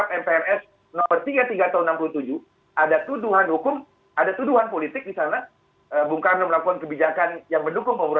pemerintah ya tentu saja melalui kepala negara